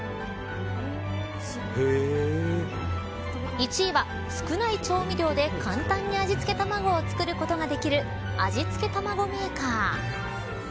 １位は少ない調味料で簡単に味付け卵を作ることができる味付けたまごメーカー。